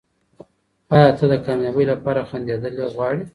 ایا ته د کامیابۍ لپاره خندېدل غواړې؟